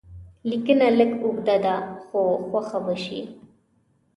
لیکنه لږ اوږده ده خو خوښه به شي.